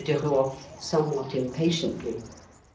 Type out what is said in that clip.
Duruof, somewhat impatiently.